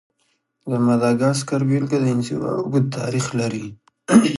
د ماداګاسکار بېلګه د انزوا اوږد تاریخ لري.